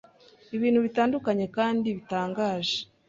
ibintu bitandukanye kandi bitangaje